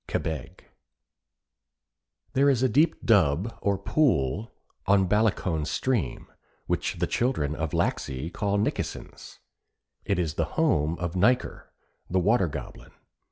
KEBEG There is a deep dub, or pool, on Ballacoan stream, which the children of Laxey call Nikkesen's. It is the home of Nyker, the Water Goblin.